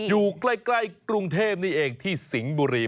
อยู่ใกล้กรุงเทพนี่เองที่สิงห์บุรี